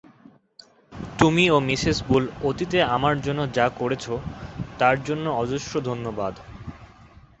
তুমি ও Mrs Bull অতীতে আমার জন্য যা করেছ, তার জন্য অজস্র ধন্যবাদ।